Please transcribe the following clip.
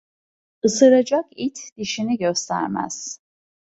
Isıracak it dişini göstermez.